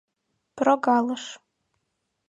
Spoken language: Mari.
— Прогалыш!..